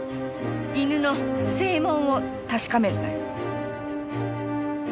犬の声紋を確かめるのよ。